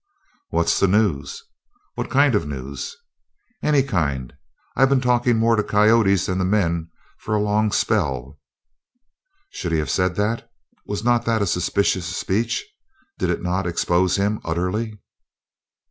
"What's the news?" "What kind of news?" "Any kind. I've been talkin' more to coyotes than to men for a long spell." Should he have said that? Was not that a suspicious speech? Did it not expose him utterly?